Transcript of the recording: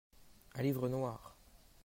un livre noir.